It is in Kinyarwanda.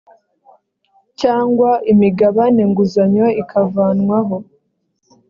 cyangwa imigabane nguzanyo ikavanwaho